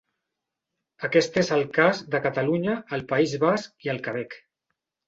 Aquest és el cas de Catalunya, el País Basc i el Quebec.